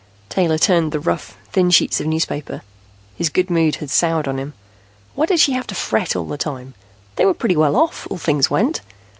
Taylor turned the rough, thin sheets of newspaper. His good mood had soured on him. Why did she have to fret all the time? They were pretty well off, as things went.